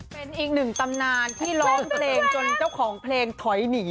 เป็นอีกหนึ่งตำนานที่ร้องเพลงจนเจ้าของเพลงถอยหนี